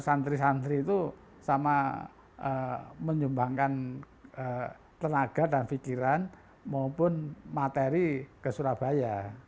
santri santri itu sama menyumbangkan tenaga dan pikiran maupun materi ke surabaya